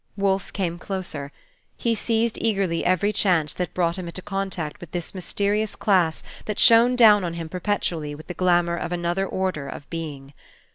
Wolfe came closer. He seized eagerly every chance that brought him into contact with this mysterious class that shone down on him perpetually with the glamour of another order of being.